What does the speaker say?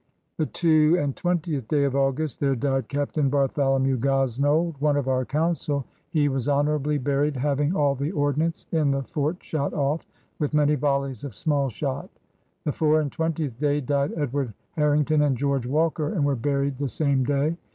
The two and twentieth day of August there died Captain Bartholomew Grosnold one of our Councell, he was honourably buried having all the Ordnance in the Fort shot off , with many vollies of small shot. ... The f oure and twentieth day died Edward Harring ton and George Walker and were buried the same day.